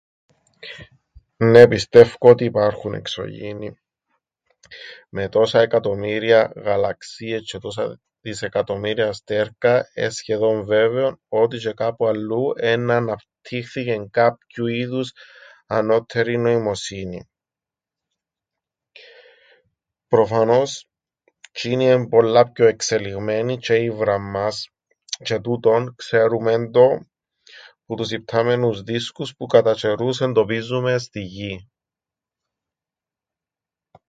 Νναι, πιστεύκω ότι υπάρχουν εξωγήινοι. Με τόσα εκατομμύρια γαλαξίες τζ̆αι τόσα δισεκατομμύρια αστέρκα, εν' σχεδόν βέβαιον ότι τζ̆αι κάπου αλλού εννά αναπτύχθηκεν κάποιου είδους ανώττερη νοημοσύνη. Προφανώς, τζ̆είνοι εν' πολλά πιο εξελιγμένοι τζ̆αι ήβραν μας τζ̆αι τούτον ξέρουμεν το που τους ιπτάμενους δίσκους που κατά τζ̆αιρούς εντοπίζουμεν στην γην.